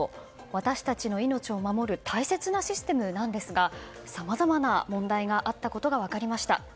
私たちの命を守る大切なシステムなんですがさまざまな問題があったことが分かりました。